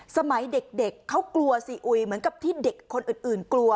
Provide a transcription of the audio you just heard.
สมัยเด็กเขากลัวซีอุยเหมือนกับที่เด็กคนอื่นกลัว